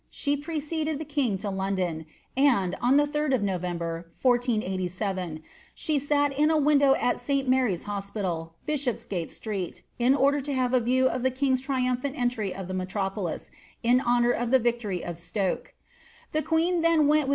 Site preceded the king to London ; and, on the 3d of Noveiiibe MB?, sbe Kit in a window ai St. Mary's hospital, Bishopsgate Street, ii «fcr to have a view of the king's irtumphant entry of the metropolis ■ iMMioar of the victory of Stoke. The queen then went wit'